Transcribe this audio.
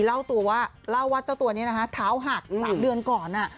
เล่าว่าเจ้าตัวนี้นะฮะท้าวหัก๓เดือนก่อน